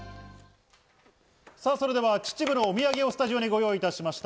それでは秩父のお土産をスタジオにご用意しました。